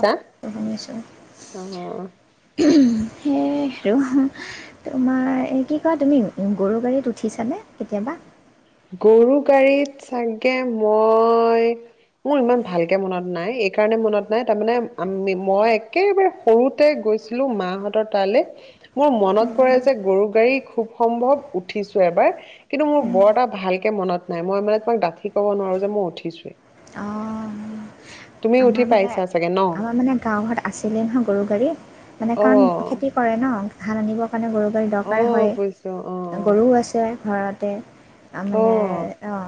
চা শুনিছোঁ, অ', উহুম, সেই আৰু তোমাৰ কি ক তুমি গৰু গাড়ীত উঠিছানে কেতিয়াবা? গৰু গাড়ীত চাগে মই, মোৰ ইমান ভালকে মনত নাই এই কাৰণে মনত নাই তাৰমানে আমি মই একেবাৰে সৰুতে গৈছিলো মাহঁতৰ তালৈ, মোৰ মনত পৰে যে গৰু গাড়ী খুব সম্ভৱ উঠিছো এবাৰ কিন্তু মোৰ বৰ এটা ভালকে মনত নাই মই মানে তোমাক ডাঠি কব নোৱাৰো যে মই উঠিছোৱেই, অঁ তুমি উঠি আমাৰ মানে পাইছা চাগে ন আমাৰ মানে গাঁও ঘৰত আছিলেই নহয় গৰু গাড়ী, মানে কাৰণ অ', খেতি কৰে ন ধান আনিব কাৰণে গৰু গাড়ীৰ দৰকাৰ অ', হয়, বুজিছো অ', গৰুও আছে ঘৰত তে আ মানে অ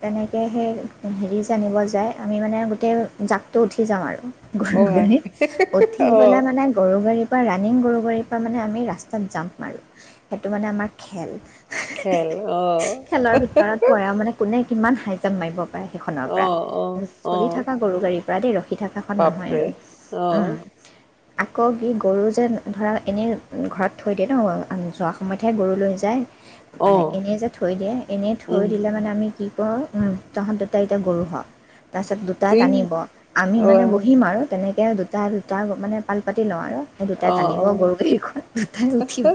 তেনেকৈ সেই হেৰি জানিব যায় আমি মানে গোটেই জাকটো উঠি যাওঁ আৰু। গৰু অ', গাড়ীত, উঠি অ পেলাই মানে গৰু গাড়ীত ৰাণিং গৰু কৰি পৰা মানে আমি ৰাস্তাত জাম্প মাৰো, সেইটো মানে আমাৰ খেল খেলে অ, খেলৰ হ হ ভিতৰত হ। পৰে আৰু মানে কোনে কিমান হাইজাম মাৰিব সেইখনৰ পৰা, অ', চলি অ', থকা গৰু গাড়ী পৰাদি ৰখি থাক ত নহয় বাপৰে আৰু, অ উম। আকৌ কি গৰু যে ধৰা এনেই ঘৰত থৈ দিয়ে ন যোৱা সময়তহে গৰু লৈ যায়। অ মানে এনেই যে থৈ দিয়ে এনেই থৈ উম দিলে মানে আমি কি ত উম, তহত দুটা এতিয়া গৰু হোৱা। তাৰপিছত দুটাত এই টানিব, আমি অ মানে বহুত তেনেকে দুটা দুটা মানে পাল পাতি লওঁ আৰু। দুটা অ টানিব অ গৰু গা, দুটাই উঠিব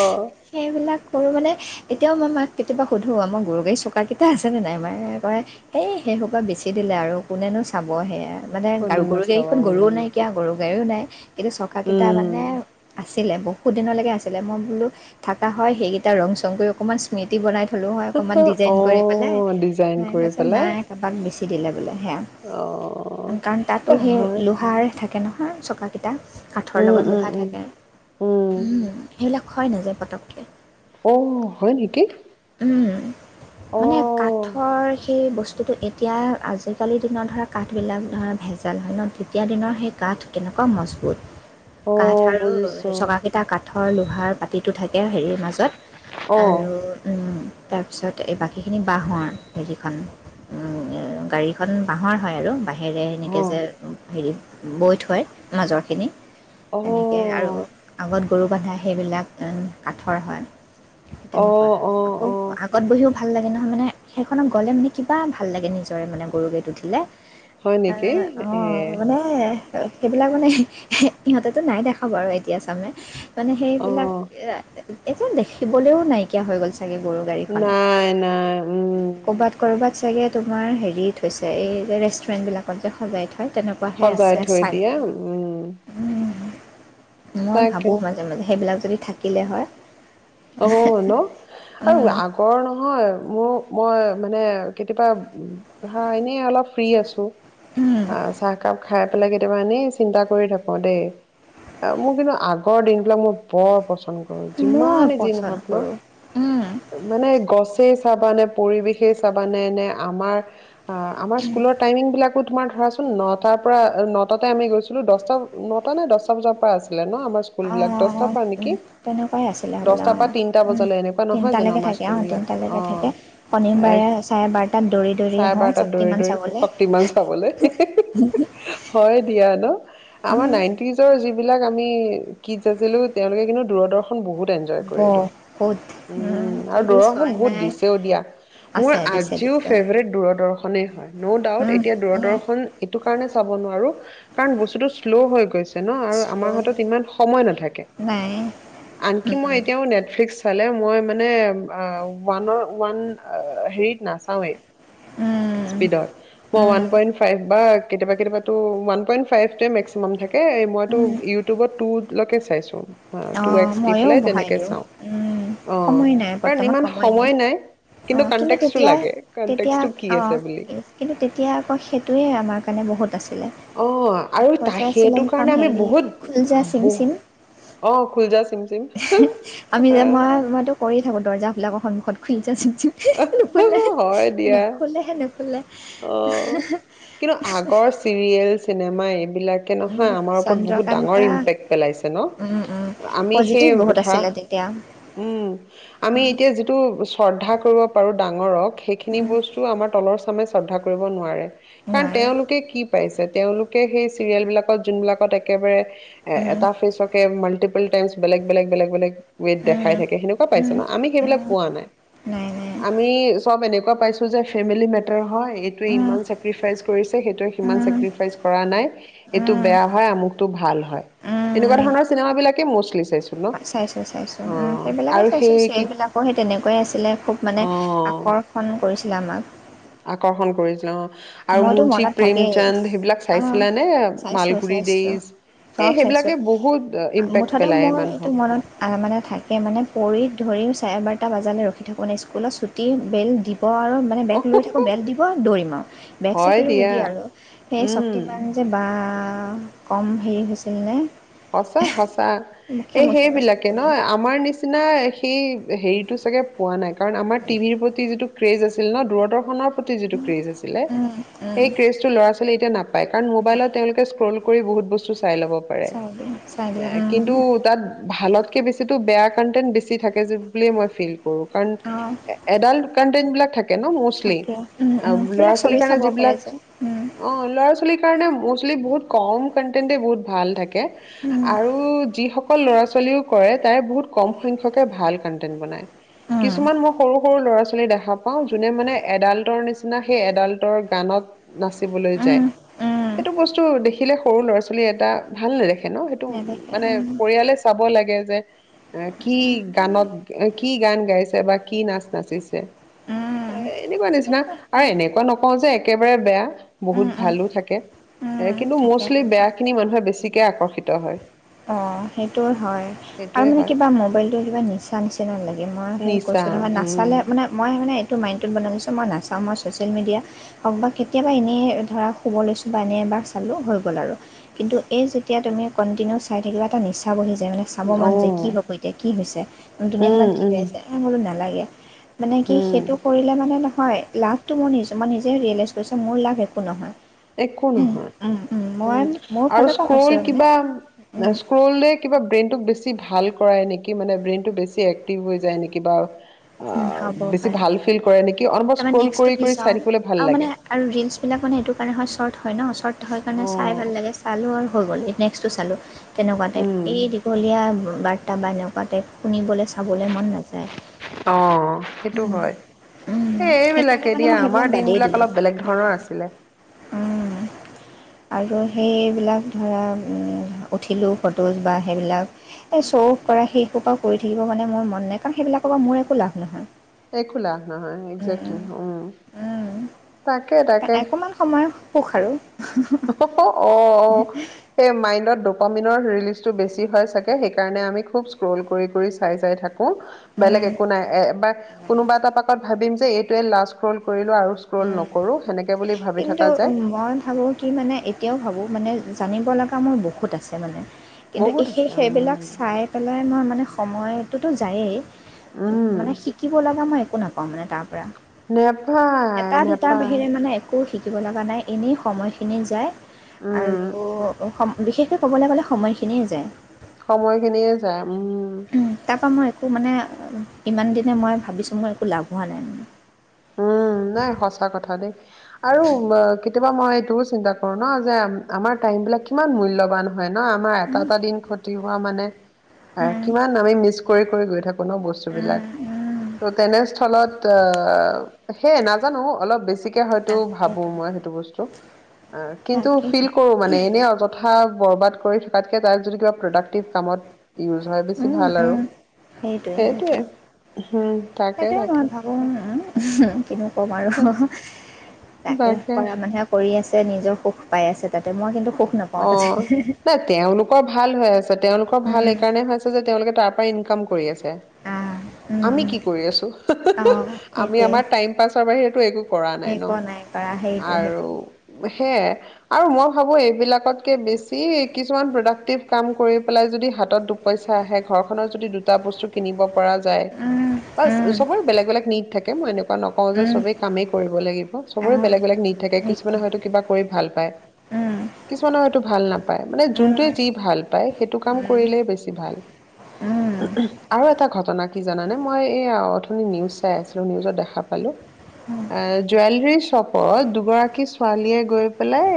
অ সেইবিলাক সৰুঁ মানে এতিয়াও মই মাক কেতিয়াবা সুধোঁ আমাৰ গুৰু গাড় চোকাকেইটা আছেনে নাই মায়ে কয় এই সেই স পৰাৰা বেচি দিলে আৰু কোনেনো চাব সেয়য়া আৰু মানে গৰু কোনে গৰু নাচাব গাড়ীখন গৰুও উম নাই কিয় গৰু গাড়ীও নাই এইটো চকাকেইটা মানে উম আছে, আছিলে বহুত দিনলৈকে আছিলে মই বোলো থাককা হয় সেইকেইটা ৰং চং কৰি অকণমান স্মৃতি বনাই থ'লোঁ হয় অকণমান ডিজাইন অ কৰি পেলাই ডিজাইন মাই কৰি কৈছে পেলাই নাই কাৰোবাক বেছি? দিলে বোলে। সেয়া অ কাৰণ তাতো এ হয় সেই লোহাৰে থাকে ন হ চকাকেইটা কাঠৰ উম লগত উম লোহা উম থাকে উম সেইবিলাক খ নাযায় পাতককৈ অ হয় নেকি উম অ মানে কাঠৰ সেই বস্তু বস্তুটো এতিয়া আজিকালি দিনৰত ধৰা ক গ বিলাক ধৰা ভেজাল হয় ন তেতিয়া দিনৰ সেই গাঠ কেনেকুৱা মজবুত অ কাঠ আৰু বুজিছো চক কেইটা কাঠ লোহাৰ পা টো থাকে হেৰিৰ মাজত অ আৰু তাৰ পিছত এই বাকীখিনি বাহৰ হেৰিখন গাড়ীখন বাহৰ হয় আৰু ৰে অ সেনেকৈ যে হেৰি বৈ থোৱ মাজৰখিনি অ তেনেকে আৰু আগত গৰু বধা সেইবিলাক কাঠৰ হয় সেই অ তেনেকুৱা আৰু অ আকৌ অ আগত বহিও ভাল লাগে নহয় মানে সেইখনক গ'লে মানে কিবা ভাল লাগে নিজৰে মানে গৰু গেই উঠিলে? হয় নেকি এ আৰু সেইবিলাক মানে ইিহঁতেতো নাই দেখাব আৰু এতিয়া চামে মানে অ সেইবিলাক এতিয়া দেখিবলৈও নাইকিয়া হৈ গ'লছে? নাই নাই উম। ক'ৰবাত ক'ৰবাত চাগে তোমাৰ হেৰিত হৈছে এই যে ৰেষ্ট ব্ৰেণ্ডবিলাকত যে সজাই থয় তেনেকুৱাহে সজাই আছে থৈ দিয়া চাগে উম। মই তাকে ভাবো মাজে মাজে সেইবিলাক? যদি থাকিলে হয়। অ ন আৰু উম আগৰ নহয় মোৰ। মই মানে কেতিয়াবা এনে অলপ ফ্ৰী আছো। উম অঁ চাহকাপ খাই। খাই পেলাই কেতিয়াবা এনেই চিন্তা কৰি থাকো দেই মোৰ কিন্তু আগৰ দিনবিলাক মোৰ বৰ পচন্দ। কৰো মই যিমান। পচন্দ কৰোঁ উম মানে গছ। চাবানে পৰিৱেশে চাব নে নে আমাৰ। অঁ আমাৰ স্কুলৰ টাইমিং বিলাক। তোমাৰ ধৰাচোন নটাৰ পৰা নটাতে আমি গৈছিলো দহটা নটা নে দহটা বজাৰ পৰা আছে? থ ন আমাৰ স্কুল অঁ বিলাক দহাৰ অঁ পৰা নেকি? তেনেকুৱাই আছিলে দহ হ'বলা টা অঁ পৰা তিনটা বজাৰ লৈকে নহয় জানো তিনিটালৈকে আমাৰ থাকে অঁ কস্কুলবিলাক তিনিটালৈকে অঁ থাকে শনিবাৰে চাৰে বাৰটাত দৌৰি দৌৰি চাৰে আহোঁ বাৰ টাত দৌৰি শক্তিমান দৌৰি চাবলৈ চকতীমান চাবলৈ দিয়া ন আমাৰ। উম, আমি কিত যাছিলো তেওঁলোকে কিন্তু দূৰদৰ্শন বহুত। এজয় কৰিলো বহুত উ উম, কি আৰু কি দূৰদশন চোৱা বহুত নাই দিছেও দিয়া মোৰ আছে দিছে আজিও দিছে ফেভৰেট দূৰদৰ্শনে হয় ন ডাউট উম, এতিয়া উম, দূৰদৰ্শন এইটো কাৰণে চাব নোৱাৰো? কাৰণ বস্তুতটো শ্ল' হৈ গৈছে? ন আৰু আমাৰ শ্ল' হাতত ইমান সময় নাথাকে নাই আন। মই এতিয়াও নেট। নেক্সট ফালে চালে মই মানে ওৱান হেৰিত নাচাওৱেই? স্পীডত মই ওৱান পইন্ট ফাইভ বা। কেতিয়াবা কেতিয়াবা তো ওৱান পইটয়ত ফাইফ। মইতো ইউটিউবত টু লকে। চাইছোঁ? অঁ টু এক্স। দি ময়ো পেলাই বহাই তেনেকৈ দিওঁ চাওঁ অ সময় নাই বৰ্তমান সময় নাই অঁ কিন্তু কনটেক্সটো তেতিয়া লাগে তেতিয়া কনটেক্সটো কি আছে অঁ বুলি কিন্তু তেতিয়া আকৌ সেইটোৱে আমাৰ কাৰণে বহুত আছিল? অঁ আৰু ত সেইটো কাৰণে আমি হেৰি বহুত খুল যা চিম চিম অঁ। আমি যে মই মই কৰিয় থাকো দৰ্জা বিলাকৰ। ৰ্দজাখম খলি জা চিম চিম। নখুলহে নখুলে। অঁ কিন্তু আগৰ চিৰিয়েল চিনেমা। মায়। বিলাকে উম নহয় আমাৰ ওপৰত বহুত ডাঙৰ চন্দ্ৰকান্তা ই পেক পেলাইছে ন উম উম আমি সেই পজিটিভ বহুত ধাৰা আছিলে তেতিয়া উম আমি যিটো শ্ৰদ্ধা কৰিব পাৰোঁ ডাঙৰক সেইখিনি উম বস্তু আমাৰ তলৰ চামেচ শ্ৰদ্ধা কৰিব নোৱাৰে কাৰণ নোৱাৰি তেওঁলোকে কি পাইছে তেওঁলোক কেসেই চিৰিয়েলবিলাকত যোনবিলাকত একেবাৰে উম এটা ফেছকে মন টীপল টেনম বেলেগ বেলেগ বেলেগ বলেগ ৱেট উম দেখাই থাকে সেনেকুৱা পাইছ উম ন আমি সেইবিলাক উম পোৱা নাই নাই নাই আমি চব এনে এনেকুৱা পাইছো যে ফেমেলি টেঙ হয় উম বমু উম উম উম উম ভাল হয়ুৱ ধ [unintelligible] চাইছো চাইছো উম সেইবিলাকে আৰু চাইছো সেই চিৰিয়েল কি বিলাকো সেই তেনেকুয়ে আছিলে খুব মানে অ' আকৰ্ষণ কৰিছিল ইছলামত আকৰ্ষণ কৰিছিলো অহ মইতো মনত থাকেই আহ চাইছিলানে চাইছো মালগুৰি চাইছো ডেইজ এই চব চাইছো সেইবিলাকে বহুত ইম্পেক্ট মুঠতে পেলায় মোৰ এইটো মানুহক মনত মানে থাকে মানে পৰি ধৰিও চাৰে বাৰটা বজালৈ ৰখি থাকোনে স্কুলত ছুটী বেল দি দিব আৰু মানে বেগ লৈ থাকো বেগ দিব দৌৰিম আৰু বেগ হয় চাইকেল দিয়া দিয় এই আৰু সেই উম শক্তি মান যে বা অহ কম হেৰি হৈছিলনে সঁচা সঁচা এই আৰু সেইবিলাকে ন শক্তিমান আমাৰ নিচ নিচিনা সেই হেৰিতো চাগে পোৱা নাই কাৰণ আমাৰ টিভিৰ প্ৰতি যিটো ক্ৰেজ আছিল ন দূৰদৰ্শনৰ যিটো ক্ৰেজ আছিলে উম উম সেই ক্ৰজটো ল'ৰা ছো খালি এতিয়া নাপ নাপাই কাৰণ মোবাইল তেওঁ ইস্কল কৰি বহুত বস্তু চা চাই ল'ব পাৰে চাই দিয়ে চাই এ দিয়ে উম কিন্তু তাত ভালতকে বেছিতো বেয়া কণ্টেন্ট বেছি থাকে বুলিয়ে মই ফিল কৰো কাৰণ অ', এডাল কেন্ট বিলাক [unintelligible] এক্সলি থাকে উম উম সেইবিলাক চবেই চাব পাৰে যে উম বহুত কম কনটেন্টে বহুত ভাল থাকে উম আৰু যি স অকল ল'ৰা ছোৱালীও কৰে, তাৰ বহুত কম সংখ্যকে ভাল কণ্টেণ্ট বনায়। উম কিছুমান মই সৰু সৰু ল'ৰা ছোৱা লী দেখা পাও যোনে মানে এডাল্টৰ নিচিনা, সেই এডালটৰ গানত নাচিবলৈ উম যায়। উম সেইটো বস্তু দেখিলে সৰু ল'ৰা ছোৱালী এটা, ভাল নেদেখে এনেও সেটো, নেদেখে মানে উম পৰিয়ালে চাব লাগে যে কি গানত, কি গান গাইছে বা কি নাচ নাচিছে। উম এ-এনেকুৱা নিচিনা সেইটো আৰু হয়। এনেকুৱা নকওঁ যে একেবাৰে বেয়া, বহুত উম উম ভালো থাকে এ উম কিন্তু থাকে মোষ্টলি থাকে বেয়াখিনি মানুহে বেছিকে আকৰ্ষন ট হয় অঁ সেইটো হয় আৰু সেইটোৱে মানে হয় কিবা মবাইলটো কিবা নিচা নিচিনা লাগে মই সেই নিচা কৈছো নহয় নাচালে মানে, উম মই মানে মাইণ্ডটো বনাই লৈছো মই নাচাও, মই ছচিয়েল মিডিয়া হওক বা কেতিয়াবা এনেই ধৰা শুব লৈছোঁ বা এনেই এবাৰ চালোঁ হৈ গল' আৰু কিন্তু এ যেতিয়া তুমি কনটিনিৱাছ চাই থাকিবা এটা নিচা বনি যা এতিয়া মানে চাব অ মন যায় কি হ'ব, উম এতিয়া কি হৈছে, দুুনীয়াখনত কি উম হৈ আছে, এ বোলো নালাগে। মানে কি উম সেইটো কৰিলে মানে ন হয় লাভটো মোৰ নিজ মই নিজে ৰিয়েলাইজ কৰিছোঁ মোৰ লাভ একো নহয়। একো উম, নহয় উম, মই উম, মোৰ আৰু ফালৰ পৰা কৈছোঁ স্ক্ৰল আৰু মানে কিবা উম। স্ক্ৰলে কিবা ব্ৰেইনটোক বেছি ভাল কৰাই নেকি মানে ব্ৰেইনটো বেছি এক্টিভ হৈ যায় নেকি বা অ উম, হ'ব বেছি পাৰে। ভাল ফিল কৰে নেকি অনবৰত তাৰমানে স্ক্ৰল কৰি নেক্সটো কি কৰি চাও চাই থাকিবলৈ ভাল আৰু লাগে। মানে আৰু ৰিলচ বিলাক মানে এইটো তাৰমানে হয় চৰ্ট হয় ন, চৰ্ট হয় কাৰণে অ চাই ভাল লাগে, চালো আৰু হৈ গ'ল, এ নেক্সটো চালো তেনেকুৱা টাইপ, উম এই দীঘলীয়া বা তা বা এনেকুৱা তাইপ, শুনিবলে চাবলে মন নাযায়। অঁ। সেইটো হয়। এ সেইকাৰণে এইবিলাকে মানে দিয়া মই আমাৰ সেইবিলাক দিন বাদেই বিলাক দিলোঁ অলপ বেলেগ ধৰণৰ আছিলে। আৰু সেইবিলাক ধৰা উম উঠিলোঁ ফটোজ বা সেইবিলাক, এই শ্ব'অফ কৰা মানে সেই সোপা কৰি থাকিব কাৰনে মোৰ মন নাই কাৰণ সেইবিলাকৰ পৰা মোৰ একো লাভ নহয়। একো নাভ নহয়, একজেক্টলি উম। তাকে অকমান সময় সুখ আৰু অ' অ' সেই মাইণ্ডত কমিনৰ ৰিলিজটো বেছি হয় চাগে সেইকাৰণে আমি খুব স্ক্ৰল কৰি কৰি চাই চাই থাকোঁ। বেলেগ উম একো নাই এবাৰ কোনোবা এটা পাকত ভাবিম যে এইটোৱে লাষ্ট কৰিলোঁ আৰু স্ক্ৰল উম। নকৰোঁ সেনেকে বুলি ভাবি কিন্তু থাকা যায়। উম, মই ভাবোঁ কি মানে এতিয়াও ভাবোঁ মানে জানিব লগা মোৰ বহুত আছে মানে কিন্তু বহুত সেই আছে সেইবিলাক উম চাই পেলাই মই মানে সম মইটোতো যায়েই। উম মানে শিকিব লগা মই একো নাপো কওঁ মানে তাৰ পৰা। নে এটা দুটাৰ বাহিৰে মানে একো শিকিব লগা নাই এনেই সময়খিনি যায়। উম আৰু সম বিশেষকৈ ক'বলৈ গ'লে সময়খিনিয়ে যায়। সময় খিনিয়ে যায়। উম উম তাৰ পৰা মই একো মানে ইমান দিনে মই ভাবিছো মোৰ একো লাভ হোৱা নাই মানে। উম নাই সঁচা কথা দেই। আৰু কেতিয়াবা মই এইটোও চিন্তা কৰো ন যে আমাৰ টাইম বিলাক কিমান মূল্যবান। হয় ন আমাৰ এটা উম এটা দিন ক্ষতি হোৱা মানে উ উম, কিমান আমি মিছ কৰি কৰি গৈ থাকোঁ ন বস্তু বিলাক উম, উম, তেনেস্থলত সে নাজানো অলপ বেছি। হয়টো ভাবো তাকেইতো মই সেইটো বস্তু কিন্তু তাকেই ফিল কৰো মানে এনে অযথা বৰবাদ কৰি থকাতকে তাই যদি কিবা প্ৰডাক্টিভ কামত ইউজ হয় বেছি উম ভাল আৰু উম সেইটোৱে হম তাকে তাকে। কিন্তু কম আৰু তাকে কৰা মানহে কৰি আছে নিজৰ সুখ পাই আছে তাতে মই কিন্তু সুখ নাপাওঁ অ তাতে ন তেওঁলোকৰ ভাল হৈ আছে। তেওঁলোকৰ ভাল এই কাৰণে হৈছে যে। তেওঁলোকে তাৰ পৰা ইনকাম কৰি আছে, আমি কি কৰি আছো। অঁ আমি সেইটোৱে আমাৰ টাইম পাছৰ বাহিৰে। [inaudible] কৰা নাই ন, একো কৰা সেইটোৱে আৰু। সেইটোৱে সে, আৰু মই ভাবো এইবিলাক। বেছি কিছুমান প্ৰডাক্টিভ কাম কৰি পেলাই যদি হাতত দুপইচা আহে ঘৰ খত যদি দুটা বস্তু কিনিব পৰা। যায়, চবৰে বেলেগ বেলেগ নিট থাকে। মান [unintelligible] নকও যে, সবেই কামেই কৰিব লাগিব সবৰে অঁ বেলেগ বেলেগ নিদ থাকে কিছুমানে সেইটোৱে হয়তো কিবা কৰি ভাল পায়। কিছুমানে হয়টো ভাল নাপায়, মানে যোনটোৱে যি ভাল পায় সেইটো কাম কৰিলে বেছি ভাল আৰু এটা ঘটনা। কি জানা নে, মই এইথনি নিউজ চাই আছিলো নিউজত দেখা পালো। অ, জুৱেলৰিছ। চপত দুগৰাকী ছোৱালীয়ে গৈ পেলাই।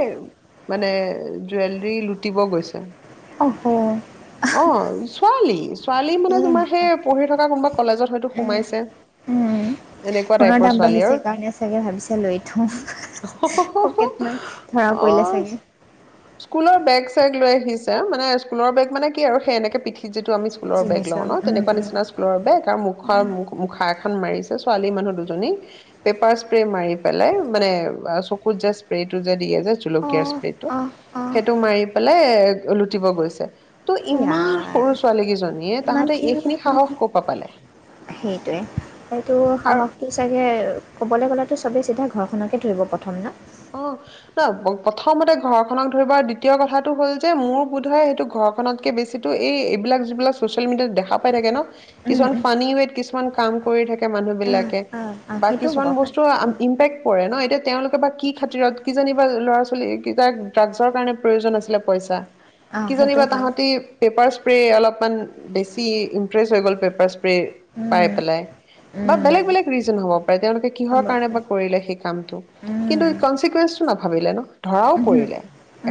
মানে জুৱেলৰী লুটিব গৈছে। অঁ। অ [unintelligible] ছোৱালী মানে তোমাৰ সেই পঢ়ি থকা কোনোবা কলেজত হয়তো সোমাইছে এনেকুৱা সোণৰ টাইপৰ দাম ছোৱালী বাঢ়িছে আৰু, কাৰণে চাগে ভাবিছে লৈ থওঁ পকেট মাৰ ধৰা পৰিলে আহ। চাগে স্কুলৰ বেগ চেগ লৈ আহিছে মানে, স্কুলৰ বেগ মানে কি আৰু সেনেকে পি। যিটো আমি স্কুলৰ বেগ লওঁ ন, তেনেকুৱা জিনিচৰ নিচিনা স্কুলৰ বেগ আৰু উম, মুখ মুখা এখন মাৰিছে। ছোৱালী মানুহ দুজনী, পেপাৰ স্প্ৰে মাৰি পেলাই মানে চকুত জাষ্ট। আজছে চল অ', গছ অ', [unintelligible] অ', সেইটো মাৰি পেলাই। লুটিব গৈছে। ত' ইমান সৰু ছোৱালীকেইজনীয়ে তাহাঁতে ইমানখ, এইখিনি সাহস ক'ৰ পৰা পালে সেইটোৱে সটো আৰু সাহসটো চাগে কবলৈ গ'লে। চবেই চিধা ঘৰখননকে ধৰিব প্ৰথম ন। অ, প্ৰথমতে ঘৰখনক ধৰিব দ্বিতীয় কথাটো হ'ল যে মোৰ বোধে সেইটো ঘৰখনতকে বেছিো এইবিলাক যিবিলাক চচিয়েল মিডিয়াত দেখা পাই থাকে ন। উম, কিছমান উম, ফানী হে কিছুমান। কিছুমান কাম কৰি থাকে মানুহ অ', বিলাকে। অ', অ', বা সেইটোও হ'ব কিছুমান পাৰে। বস্তু উম, ইম্পেক্ট পৰে ন। তেওঁলোকে বা কি। খাতিৰত কিজানিবা ল'ৰা ছোৱালীাক ড্ৰাগছৰ কাৰণে প্ৰয়োজন আছিলে পইচা। অ', কি সেইটো জানিবা হয়। তাহতি পেপাৰ। অলপমান বেছি ইম্প্ৰেছ হৈ গ'ল পেপাৰ। পাগ উম, পেলাই বা উম, বেলেগ বেলেগ ৰিজন হব পাৰে, তেওঁলোকে কিহৰ হ'ব কাৰণে বা পাৰে। কৰিলে সেই কামটো উম, কিন্তু ন ধৰাও উহু, পৰিলে,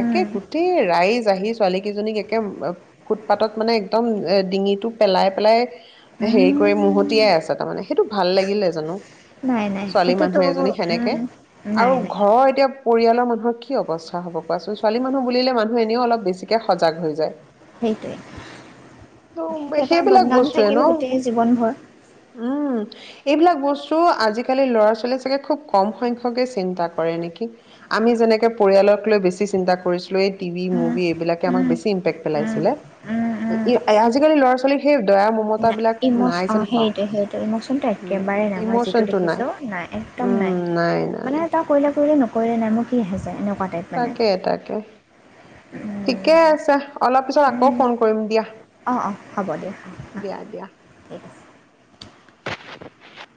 ‌ একে গোটেই ৰাই য আহি ছোৱালী কেইজনীক একে ফুটপাঠত মানে একদম ডিঙিটো পেলাই, পেলাই হেৰি কৰি উম। মহতিয়াই আছে, তাৰমানে সেইটো ভাল লাগিলে জানোঁ? নাই নাই সেইটোতো মোৰ আৰু নাই নাই। ঘৰৰ এতিয়া পৰিয়ালৰ মানুহৰ কি অৱস্থা হ'ব কোৱাচোন, ছোৱালী মানুহ বুলিলে মানুহ এনেও অলপ বেছিকে সজাগ হৈ যায়। সেইটোৱে, সেইটো ত' এটা সেইবিলাক বদনাম বস্তুৱে থাকিল ন গোটেই জীৱনভৰ। উম, এইবিলাক বস্তু আজিকালি ল'ৰা ছোৱালী চাগে খুব কম সংখ্যকে চিন্তা কৰে। কৰে নেকি? আমি যেনেকে পৰিয়ালকলৈ বেছি চিন্তা কৰিছিলোঁ, এই টি ভি উম, মুভি এইবিলাকে আমাক উম, বেছি ইম্পেক্ট উম, কৰিছিলে। উম, উম। আজিকালি ল'ৰা‌ ছোৱালী খিনি তেনেকুৱা ইমচন অ সেইটো, সেইটোয়ে ইমচনটো উম, একেবাৰেেই নাই, মই যিটো ইমচনটো নাই। দেখিছোঁ। মই একদম নাই, উম, নাই মানে, তই পৰিয়াল‌ বুলিলে [unintelligible] তাকে তাকে ঠিকে আছে। অলপ পিছত আকৌ ফোন কৰিম দিয়া। অ' অ' হ'ব দিয়া অ, দিয়া দিয়া। অ।